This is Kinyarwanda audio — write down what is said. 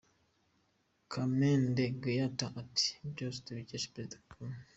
Kamende Gaëtan ati “Byose tubikesha Perezida Kagame.